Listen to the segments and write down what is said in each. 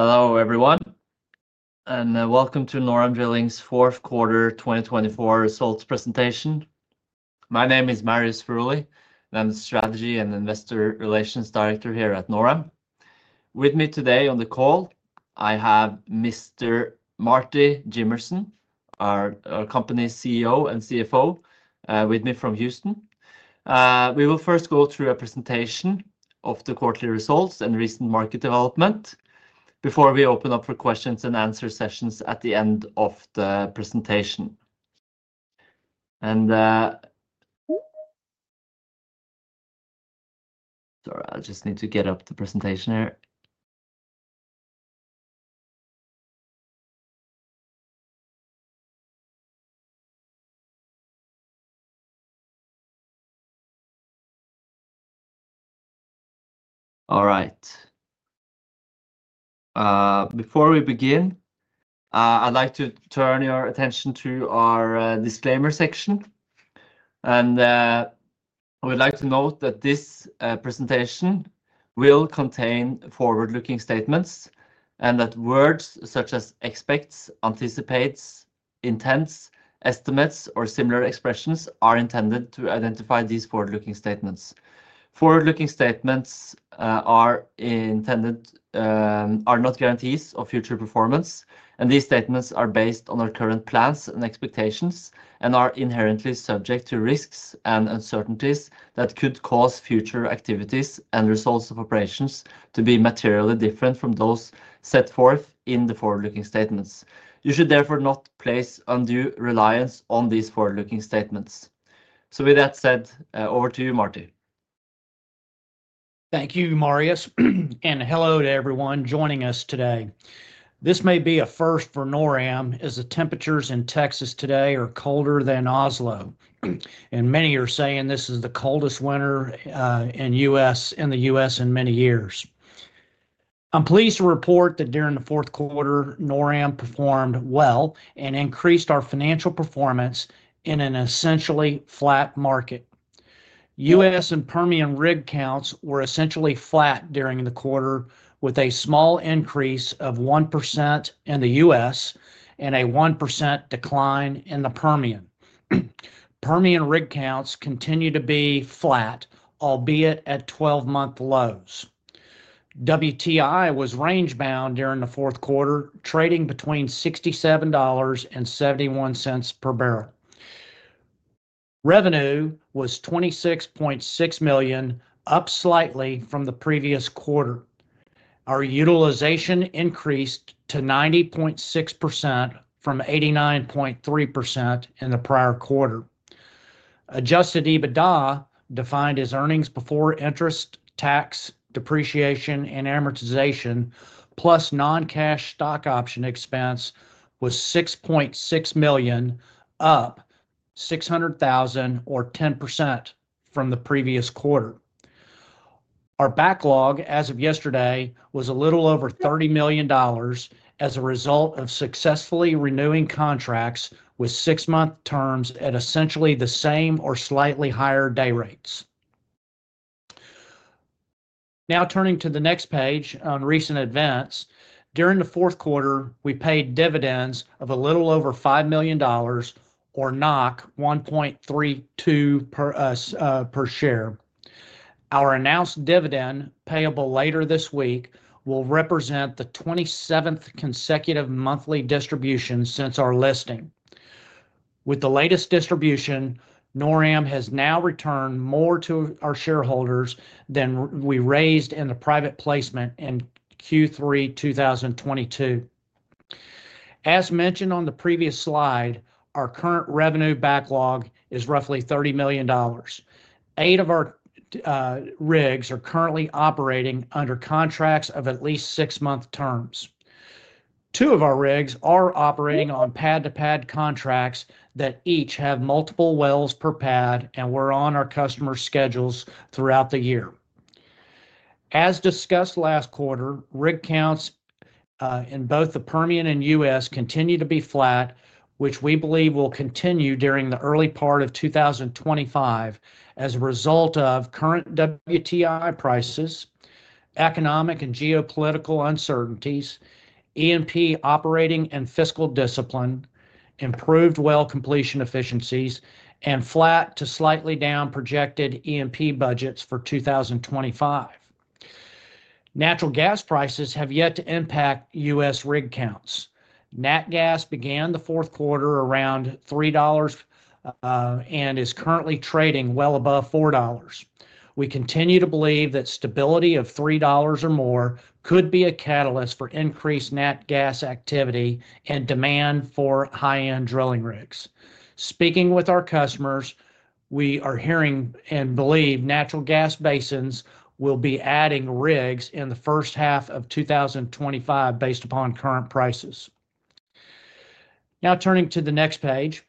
Hello, everyone, and welcome to NorAm Drilling's fourth quarter 2024 results presentation. My name is Marius Furuly, and I'm the Strategy and Investor Relations Director here at NorAm. With me today on the call, I have Mr. Marty Jimmerson, our company's CEO and CFO, with me from Houston. We will first go through a presentation of the quarterly results and recent market development before we open up for questions and answer sessions at the end of the presentation. Sorry, I just need to get up the presentation here. All right. Before we begin, I'd like to turn your attention to our disclaimer section. I would like to note that this presentation will contain forward-looking statements and that words such as expects, anticipates, intents, estimates, or similar expressions are intended to identify these forward-looking statements. Forward-looking statements are not guarantees of future performance, and these statements are based on our current plans and expectations and are inherently subject to risks and uncertainties that could cause future activities and results of operations to be materially different from those set forth in the forward-looking statements. You should therefore not place undue reliance on these forward-looking statements. With that said, over to you, Marty. Thank you, Marius. Hello to everyone joining us today. This may be a first for NorAm as the temperatures in Texas today are colder than Oslo, and many are saying this is the coldest winter in the U.S. in many years. I'm pleased to report that during the fourth quarter, NorAm performed well and increased our financial performance in an essentially flat market. U.S. and Permian rig counts were essentially flat during the quarter, with a small increase of 1% in the U.S. and a 1% decline in the Permian. Permian rig counts continue to be flat, albeit at 12-month lows. WTI was range-bound during the fourth quarter, trading between $67.71 per barrel. Revenue was $26.6 million, up slightly from the previous quarter. Our utilization increased to 90.6% from 89.3% in the prior quarter. Adjusted EBITDA, defined as earnings before interest, tax, depreciation, and amortization, plus non-cash stock option expense, was $6.6 million, up $600,000 or 10% from the previous quarter. Our backlog, as of yesterday, was a little over $30 million as a result of successfully renewing contracts with six-month terms at essentially the same or slightly higher day rates. Now, turning to the next page on recent events, during the fourth quarter, we paid dividends of a little over $5 million or 1.32 per share. Our announced dividend, payable later this week, will represent the 27th consecutive monthly distribution since our listing. With the latest distribution, NorAm has now returned more to our shareholders than we raised in the private placement in Q3 2022. As mentioned on the previous slide, our current revenue backlog is roughly $30 million. Eight of our rigs are currently operating under contracts of at least six-month terms. Two of our rigs are operating on pad-to-pad contracts that each have multiple wells per pad, and we're on our customer schedules throughout the year. As discussed last quarter, rig counts in both the Permian and U.S. continue to be flat, which we believe will continue during the early part of 2025 as a result of current WTI prices, economic and geopolitical uncertainties, E&P operating and fiscal discipline, improved well completion efficiencies, and flat to slightly down projected EMP budgets for 2025. Natural gas prices have yet to impact U.S. rig counts. Nat gas began the fourth quarter around $3 and is currently trading well above $4. We continue to believe that stability of $3 or more could be a catalyst for increased Nat gas activity and demand for high-end drilling rigs. Speaking with our customers, we are hearing and believe natural gas basins will be adding rigs in the first half of 2025 based upon current prices. Now, turning to the next page.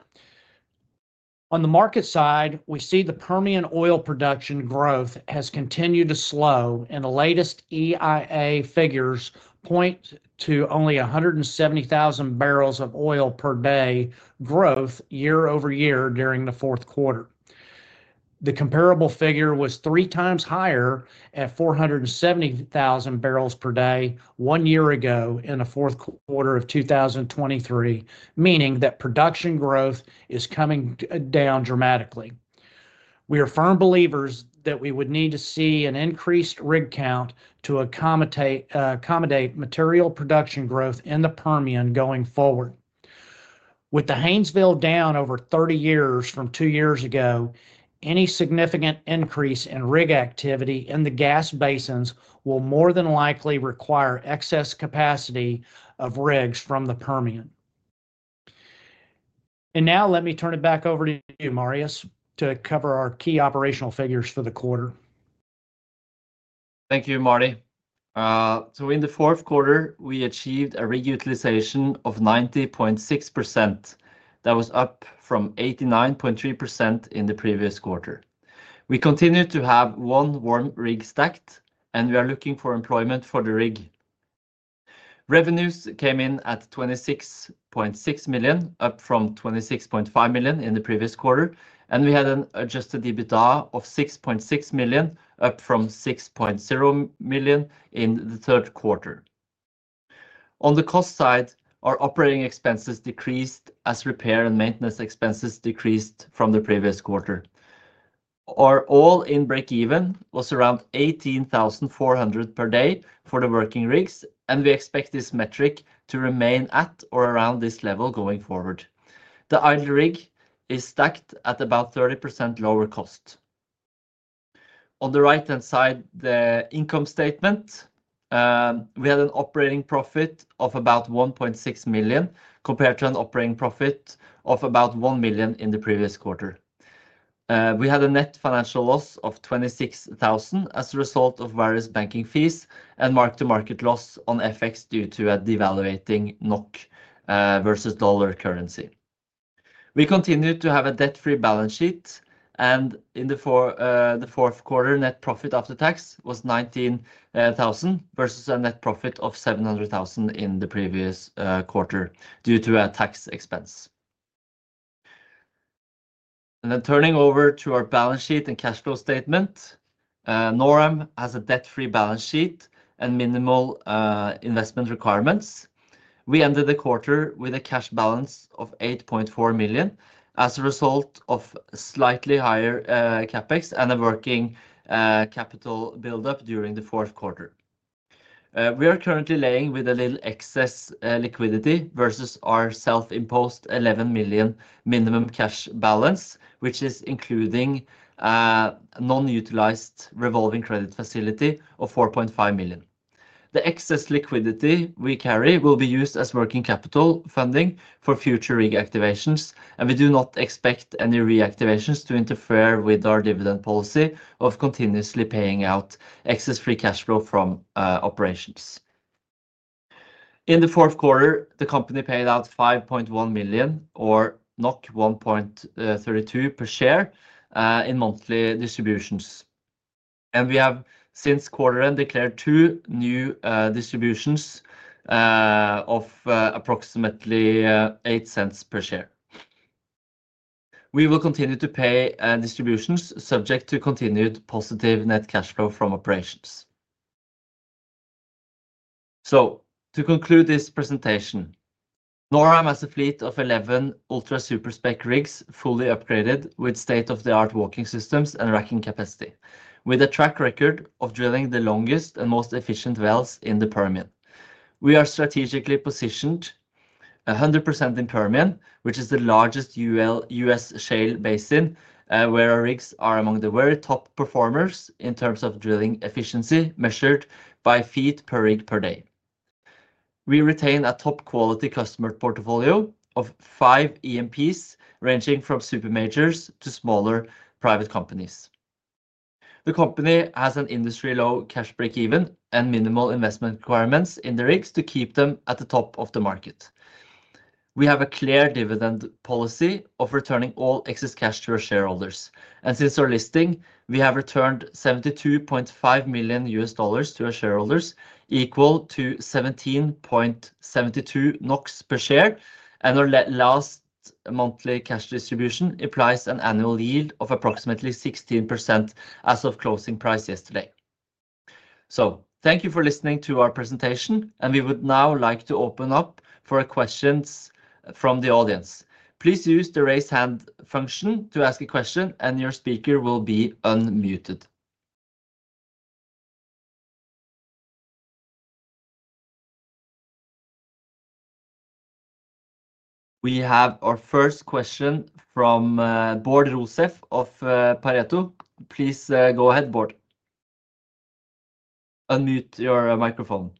On the market side, we see the Permian oil production growth has continued to slow, and the latest EIA figures point to only 170,000 barrels of oil per day growth year over year during the fourth quarter. The comparable figure was three times higher at 470,000 barrels per day one year ago in the fourth quarter of 2023, meaning that production growth is coming down dramatically. We are firm believers that we would need to see an increased rig count to accommodate material production growth in the Permian going forward. With the Haynesville down over 30% from two years ago, any significant increase in rig activity in the gas basins will more than likely require excess capacity of rigs from the Permian. Now, let me turn it back over to you, Marius, to cover our key operational figures for the quarter. Thank you, Marty. In the fourth quarter, we achieved a rig utilization of 90.6%. That was up from 89.3% in the previous quarter. We continue to have one warm rig stacked, and we are looking for employment for the rig. Revenues came in at $26.6 million, up from $26.5 million in the previous quarter, and we had an adjusted EBITDA of $6.6 million, up from $6.0 million in the third quarter. On the cost side, our operating expenses decreased as repair and maintenance expenses decreased from the previous quarter. Our all-in break-even was around $18,400 per day for the working rigs, and we expect this metric to remain at or around this level going forward. The idle rig is stacked at about 30% lower cost. On the right-hand side, the income statement, we had an operating profit of about $1.6 million compared to an operating profit of about $1 million in the previous quarter. We had a net financial loss of $26,000 as a result of various banking fees and mark-to-market loss on FX due to a devaluating NOK versus dollar currency. We continue to have a debt-free balance sheet, and in the fourth quarter, net profit after tax was $19,000 versus a net profit of $700,000 in the previous quarter due to a tax expense. Turning over to our balance sheet and cash flow statement, NorAm Drilling has a debt-free balance sheet and minimal investment requirements. We ended the quarter with a cash balance of $8.4 million as a result of slightly higher CapEx and a working capital build-up during the fourth quarter. We are currently laying with a little excess liquidity versus our self-imposed $11 million minimum cash balance, which is including non-utilized revolving credit facility of $4.5 million. The excess liquidity we carry will be used as working capital funding for future rig activations, and we do not expect any reactivations to interfere with our dividend policy of continuously paying out excess free cash flow from operations. In the fourth quarter, the company paid out $5.1 million or 1.32 per share in monthly distributions. We have since quarter-end declared two new distributions of approximately $0.08 per share. We will continue to pay distributions subject to continued positive net cash flow from operations. To conclude this presentation, NorAm has a fleet of 11 ultra-super-spec rigs fully upgraded with state-of-the-art walking systems and racking capacity, with a track record of drilling the longest and most efficient wells in the Permian. We are strategically positioned 100% in Permian, which is the largest U.S. shale basin where our rigs are among the very top performers in terms of drilling efficiency measured by feet per rig per day. We retain a top-quality customer portfolio of five EMPs ranging from super majors to smaller private companies. The company has an industry-low cash break-even and minimal investment requirements in the rigs to keep them at the top of the market. We have a clear dividend policy of returning all excess cash to our shareholders. Since our listing, we have returned $72.5 million to our shareholders, equal to 17.72 NOK per share. Our last monthly cash distribution implies an annual yield of approximately 16% as of closing price yesterday. Thank you for listening to our presentation, and we would now like to open up for questions from the audience. Please use the raise hand function to ask a question, and your speaker will be unmuted. We have our first question from Bård Rosef of Pareto. Please go ahead, Bård. Unmute your microphone.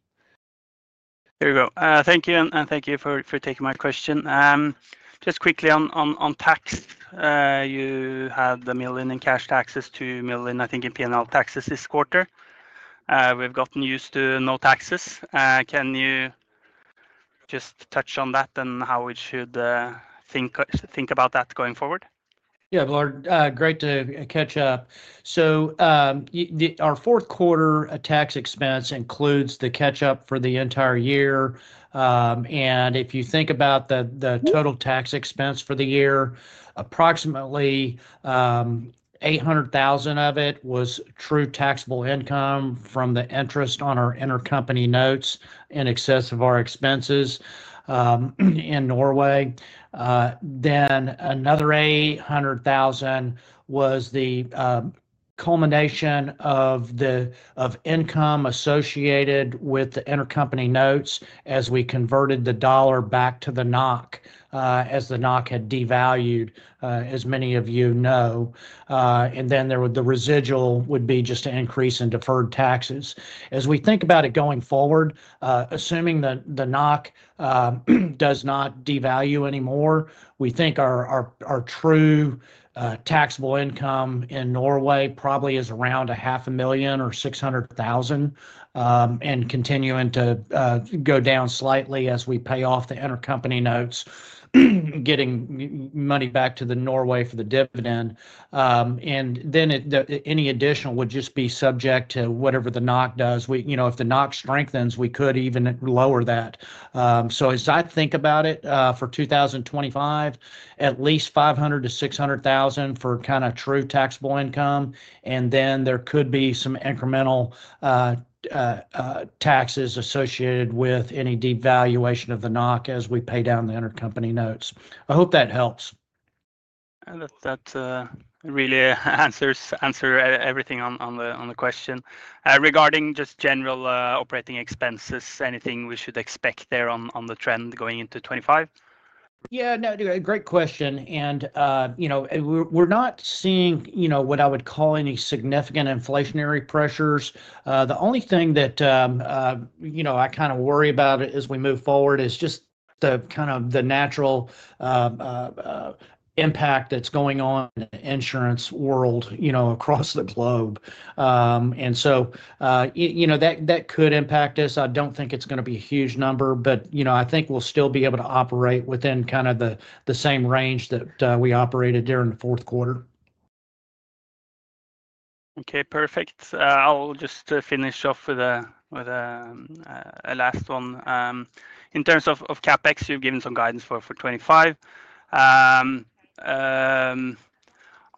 Here we go. Thank you, and thank you for taking my question. Just quickly on tax, you had $1 million in cash taxes to $1 million in P&L taxes this quarter. We've gotten used to no taxes. Can you just touch on that and how we should think about that going forward? Yeah, Bård, great to catch up. Our fourth quarter tax expense includes the catch-up for the entire year. If you think about the total tax expense for the year, approximately $800,000 of it was true taxable income from the interest on our intercompany notes in excess of our expenses in Norway. Another $800,000 was the culmination of the income associated with the intercompany notes as we converted the dollar back to the NOK as the NOK had devalued, as many of you know. The residual would be just an increase in deferred taxes. As we think about it going forward, assuming that the NOK does not devalue anymore, we think our true taxable income in Norway probably is around 500,000 or 600,000 and continuing to go down slightly as we pay off the intercompany notes, getting money back to Norway for the dividend. Any additional would just be subject to whatever the NOK does. If the NOK strengthens, we could even lower that. As I think about it for 2025, at least 500,000-600,000 for true taxable income. There could be some incremental taxes associated with any devaluation of the NOK as we pay down the intercompany notes. I hope that helps. I hope that really answers everything on the question. Regarding just general operating expenses, anything we should expect there on the trend going into 2025? Yeah, no, great question. We're not seeing what I would call any significant inflationary pressures. The only thing that I kind of worry about as we move forward is just the kind of natural impact that's going on in the insurance world across the globe. That could impact us. I don't think it's going to be a huge number, but we'll still be able to operate within kind of the same range that we operated during the fourth quarter. Okay, perfect. I'll just finish off with a last one. In terms of CapEx, you've given some guidance for 2025.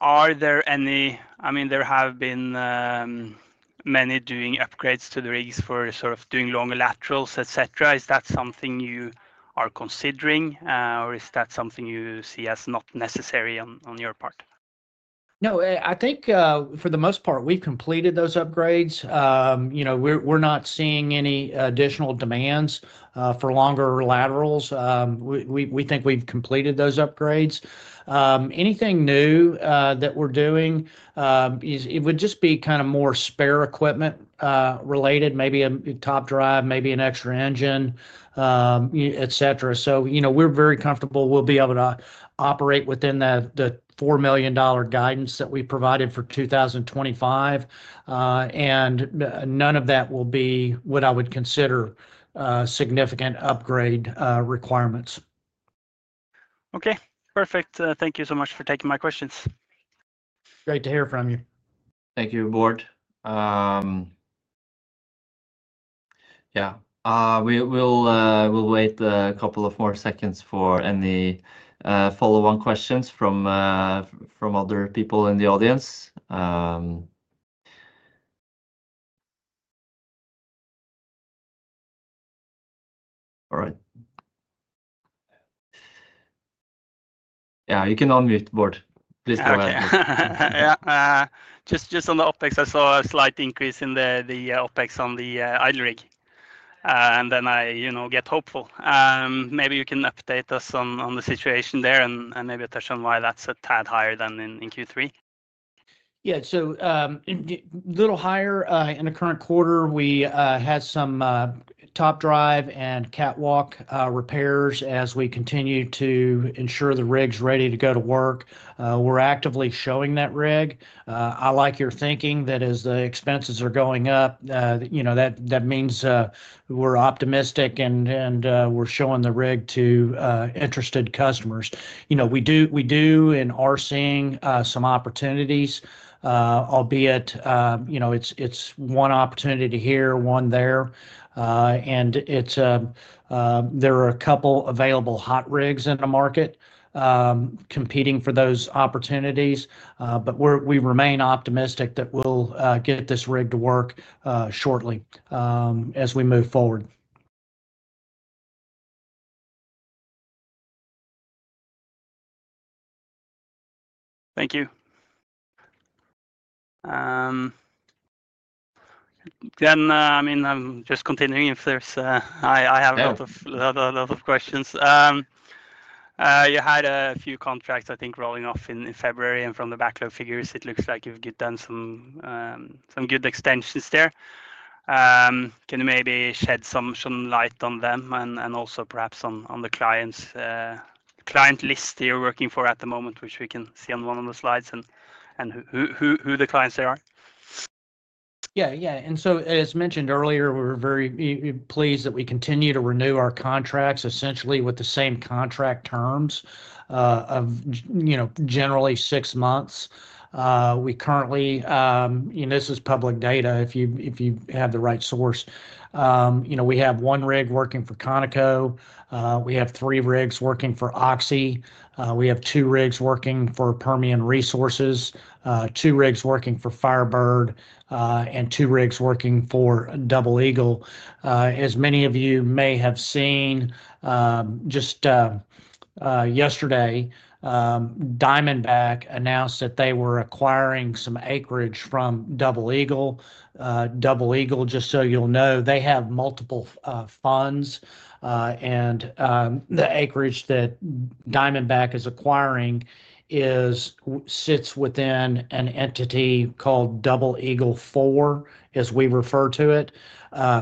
Are there any, there have been many doing upgrades to the rigs for sort of doing longer laterals, etc. Is that something you are considering, or is that something you see as not necessary on your part? No, for the most part, we've completed those upgrades. We're not seeing any additional demands for longer laterals. We've completed those upgrades. Anything new that we're doing, it would just be more spare equipment related, maybe a top drive, maybe an extra engine, etc. We are very comfortable we'll be able to operate within the $4 million guidance that we provided for 2025. None of that will be what I would consider significant upgrade requirements. Okay, perfect. Thank you so much for taking my questions. Great to hear from you. Thank you, Board. Yeah, we'll wait a couple of more seconds for any follow-on questions from other people in the audience. All right. Yeah, you can unmute, Board. Please go ahead. Yeah, just on the OPEX, I saw a slight increase in the OPEX on the idle rig. I get hopeful. Maybe you can update us on the situation there and maybe touch on why that's a tad higher than in Q3. Yeah, so a little higher in the current quarter, we had some top drive and catwalk repairs as we continue to ensure the rig's ready to go to work. We're actively showing that rig. I like your thinking that as the expenses are going up, that means we're optimistic and we're showing the rig to interested customers. We do and are seeing some opportunities, albeit it's one opportunity here, one there. There are a couple of available hot rigs in the market competing for those opportunities. We remain optimistic that we'll get this rig to work shortly as we move forward. Thank you. Just continuing if there's—I have a lot of questions. You had a few contracts rolling off in February. From the backlog figures, it looks like you've done some good extensions there. Can you maybe shed some light on them and also perhaps on the client list you're working for at the moment, which we can see on one of the slides and who the clients are? Yeah. As mentioned earlier, we're very pleased that we continue to renew our contracts, essentially with the same contract terms of generally six months. We currently—and this is public data if you have the right source—we have one rig working for Conoco. We have three rigs working for Oxy. We have two rigs working for Permian Resources, two rigs working for Firebird, and two rigs working for Double Eagle. As many of you may have seen, just yesterday, Diamondback announced that they were acquiring some acreage from Double Eagle. Double Eagle, just so you'll know, they have multiple funds. The acreage that Diamondback is acquiring sits within an entity called Double Eagle IV, as we refer to it.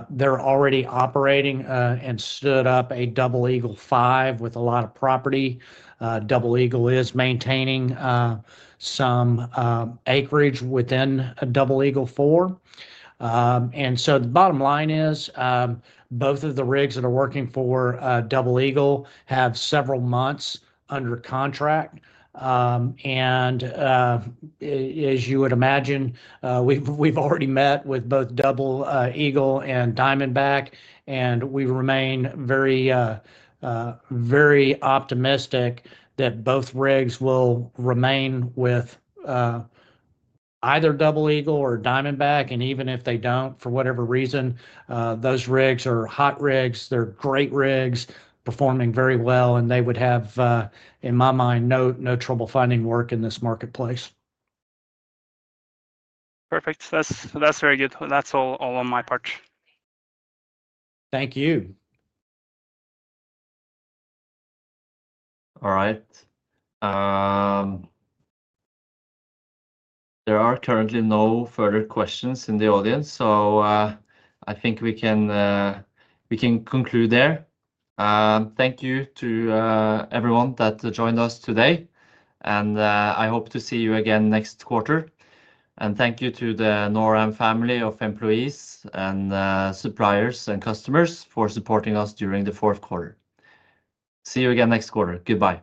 They're already operating and stood up a Double Eagle V with a lot of property. Double Eagle is maintaining some acreage within Double Eagle IV. The bottom line is both of the rigs that are working for Double Eagle have several months under contract. As you would imagine, we've already met with both Double Eagle and Diamondback. We remain very optimistic that both rigs will remain with either Double Eagle or Diamondback. Even if they do not, for whatever reason, those rigs are hot rigs. They are great rigs performing very well. They would have, in my mind, no trouble finding work in this marketplace. Perfect. That's very good. That's all on my part. Thank you. All right. There are currently no further questions in the audience. We can conclude there. Thank you to everyone that joined us today. I hope to see you again next quarter. Thank you to the NorAm family of employees and suppliers and customers for supporting us during the fourth quarter. See you again next quarter. Goodbye.